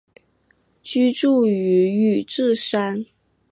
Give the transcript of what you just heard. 居住于宇治山。